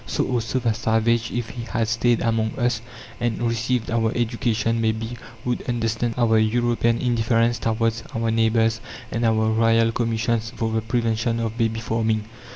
So also the savage, if he had stayed among us, and received our education, may be, would understand our European indifference towards our neighbours, and our Royal Commissions for the prevention of "babyfarming."